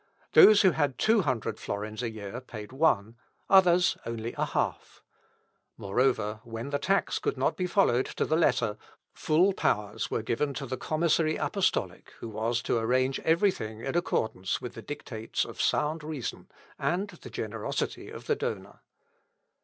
Those who had two hundred florins a year paid one; others, only a half. Moreover, when the tax could not be followed to the letter, full powers were given to the commissary apostolic, who was to arrange everything in accordance with the dictates of "sound reason," and the generosity of the donor.